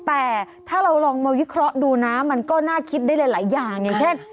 แต่ถ้าเราลองมาวิเคราะห์ดูนะมันก็น่าคิดได้หลายอย่างอย่างเช่น